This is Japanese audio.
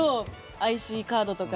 ＩＣカードとか。